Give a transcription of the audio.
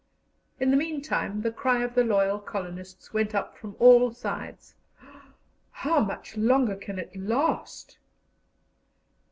In the meantime the cry of the loyal colonists went up from all sides: "How much longer can it last?"